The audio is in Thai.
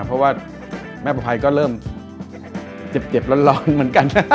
เพราะว่าแม่ประภัยก็เริ่มเจ็บร้อนเหมือนกัน